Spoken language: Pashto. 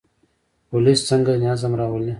پولیس څنګه نظم راولي؟